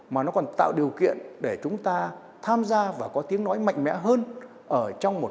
mà nó còn tạo điều kiện